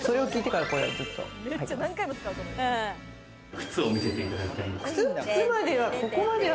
靴を見せていただいても？